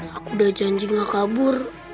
aku udah janji gak kabur